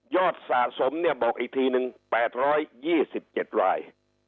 สะสมเนี่ยบอกอีกทีนึง๘๒๗ราย